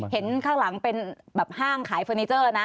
เห็นข้างหลังเป็นแบบห้างขายเฟอร์นิเจอร์นะ